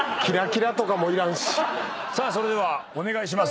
さあそれではお願いします。